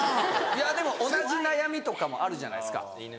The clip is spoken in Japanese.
いやでも同じ悩みとかもあるじゃないですか。